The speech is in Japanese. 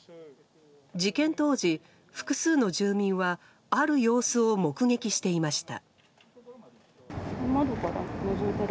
事件当時、複数の住民はある様子を目撃していました。